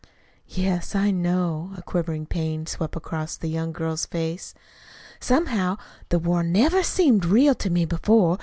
"Yes, I know." A quivering pain swept across the young girl's face. "Somehow, the war never seemed real to me before.